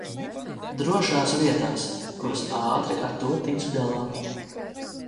"drošās" vietās, kuras ātri ar to tiks galā.